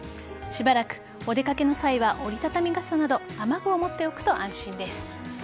しばらくお出かけの際は折り畳み傘など雨具を持っておくと安心です。